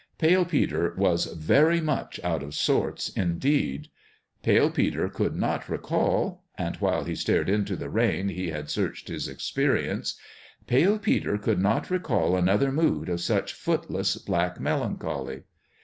Pale 126 PALE PETER'S DONALD 127 Peter was very much out of sorts, indeed : Pale Peter could not recall and while he stared into the rain he had searched his experience Pale Peter could not recall another mood of such foot less black melancholy.